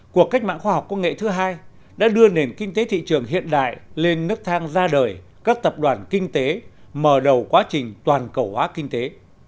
cuộc cách mạng khoa học công nghệ thứ hai đã đưa nền kinh tế thị trường hiện đại lên nước thang ra đời các tập đoàn kinh tế mở đầu quá trình toàn cầu hóa kinh tế